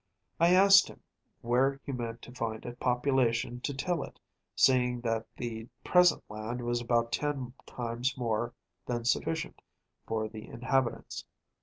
I asked him where he meant to find a population to till it, seeing that the present land was about ten times more than sufficient for the inhabitants.